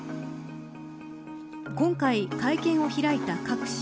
今回会見を開いたカク氏